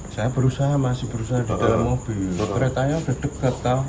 saya berusaha masih berusaha di dalam mobil keretanya udah dekat tau